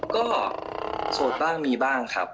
ก็โสดบ้างมีบ้างครับ